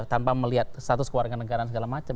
tanpa melihat status kewarganegaraan segala macam